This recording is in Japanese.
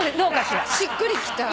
しっくりきた。